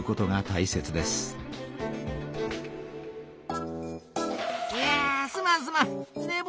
いやすまんすまん。